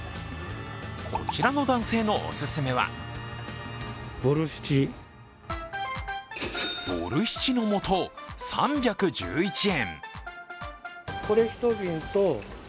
こちらの男性のおすすめはボルシチの素、３１１円。